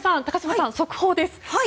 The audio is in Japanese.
高島さん、速報です！